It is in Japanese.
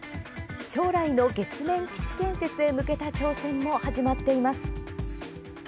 将来の月面基地建設へ向けた挑戦も始まっています。